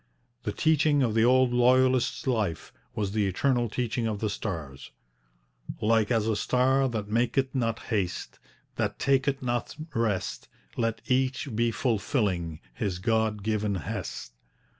The teaching of the old Loyalist's life was the eternal teaching of the stars: Like as a star That maketh not haste, That taketh not rest, Let each be fulfilling His God given hest.